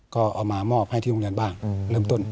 ก็เอามามอบให้ที่โรงเรียนบ้างเริ่มต้น